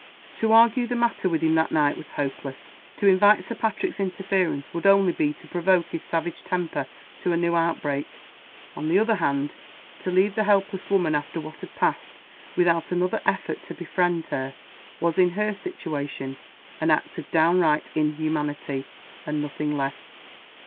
To argue the matter with him that night was hopeless. To invite Sir Patrick's interference would only be to provoke his savage temper to a new outbreak. On the other hand, to leave the helpless woman, after what had passed, without another effort to befriend her, was, in her situation, an act of downright inhumanity, and nothing less.